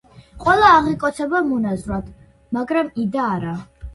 ყველა აღიკვეცება მონაზვნად, მაგრამ იდა არა.